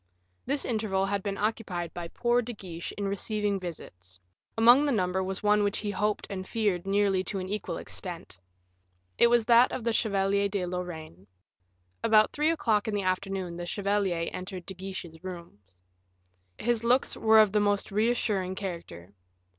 This interval had been occupied by poor De Guiche in receiving visits; among the number was one which he hoped and feared nearly to an equal extent. It was that of the Chevalier de Lorraine. About three o'clock in the afternoon the chevalier entered De Guiche's rooms. His looks were of the most reassuring character.